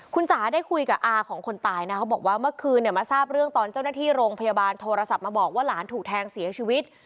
คุณจ๋าได้คุยกับอาของคนตายนะเขาบอกว่าเมื่อคืนเนี่ยมาทราบเรื่องตอนเจ้าหน้าที่โรงพยาบาลโทรศัพท์มาบอกว่าหลานถูกแทงเสียชีวิต